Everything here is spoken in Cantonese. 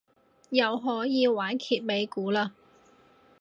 又可以玩揭尾故嘞